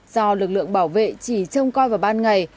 do lực lượng bảo vệ chỉ trông coi vào ban ngày